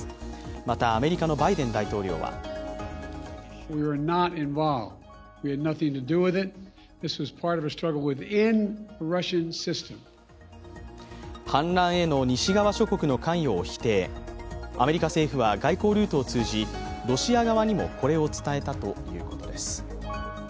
また、アメリカのバイデン大統領は反乱への西側諸国の関与を否定、アメリカ政府は外交ルートを通じロシア側にもこれを伝えたということです。